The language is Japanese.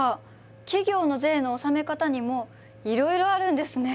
企業の税の納め方にもいろいろあるんですね。